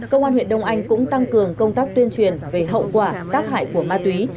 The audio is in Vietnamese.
công an huyện đông anh cũng tăng cường công tác tuyên truyền về hậu quả tác hại của ma túy